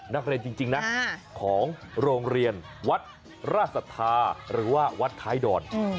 นักเรียนจริงนะของโรงเรียนวัดราชสัทธาหรือว่าวัดท้ายดอน